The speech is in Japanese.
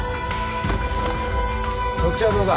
そっちはどうだ？